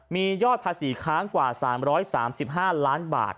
มียอดภาษีค้างกว่า๓๓๕ล้านบาท